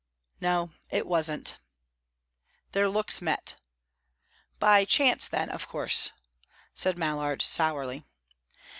"No, it wasn't." Their looks met. "By chance, then, of course?" said Mallard, sourly.